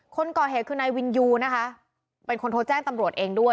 คนก่อเหกคือนายวินยูว์เป็นคนโทรแจ้งสันตรวจเองด้วย